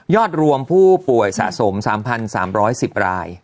รวมผู้ป่วยสะสม๓๓๑๐ราย